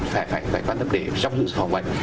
phải quan tâm để trong dự sử phòng bệnh